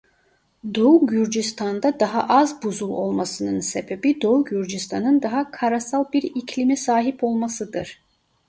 Doğu Gürcistan'da daha az buzul olmasının sebebi Doğu Gürcistan'ın daha karasal bir iklime sahip olmasıdır.